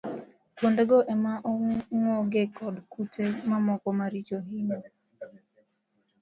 Kuondego ema ong'oge kod kute mamoko maricho hinyo